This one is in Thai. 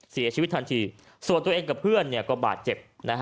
เสียชีวิตทันทีส่วนตัวเองกับเพื่อนก็บาดเจ็บ